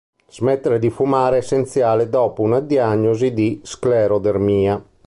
Smettere di fumare è essenziale dopo una diagnosi di sclerodermia.